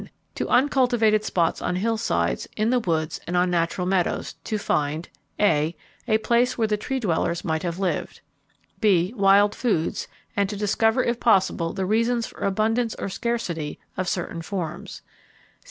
To uncultivated spots on hillsides, in the woods, and on natural meadows to find (a) A place where the Tree dwellers might have lived. (b) Wild foods, and to discover if possible the reasons for abundance or scarcity of certain forms.